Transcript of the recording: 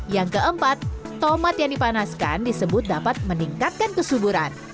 yang keempat tomat yang dipanaskan disebut dapat meningkatkan kesuburan